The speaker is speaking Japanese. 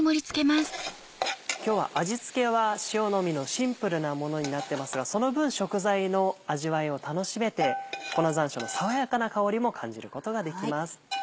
今日は味付けは塩のみのシンプルなものになってますがその分食材の味わいを楽しめて粉山椒の爽やかな香りも感じることができます。